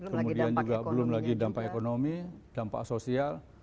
kemudian juga belum lagi dampak ekonomi dampak sosial